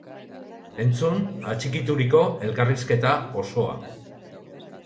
Entzun atxikituriko elkarrizketa osoa!